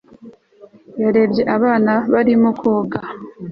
yarebye abana barimo koga